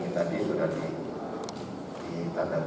dan ini tadi sudah ditandatangani